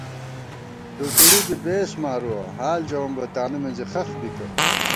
دُوکُوڑی بی بېس مارُوَہ، حال ژَوُم بہ تانُو مِنزی خخ بِکہ